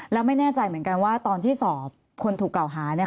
แล้วไม่แน่ใจเหมือนกันว่าตอนที่สอบคนถูกกล่าวหา